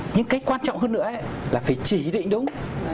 nhưng cách quan trọng hơn nữa ấy là phải chỉ định đúng